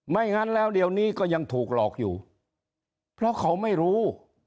งั้นแล้วเดี๋ยวนี้ก็ยังถูกหลอกอยู่เพราะเขาไม่รู้